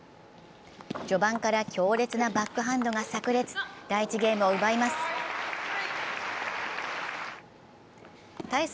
序盤から強烈なバックハンドがさく裂、第１ゲームを奪います。